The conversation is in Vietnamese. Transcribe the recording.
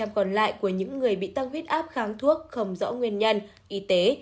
năm mươi còn lại của những người bị tăng huyết áp kháng thuốc không rõ nguyên nhân y tế